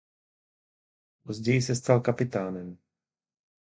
Později se stal kapitánem.